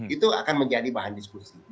itu akan menjadi bahan diskusi